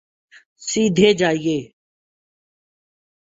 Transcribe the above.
سیدھے جائیے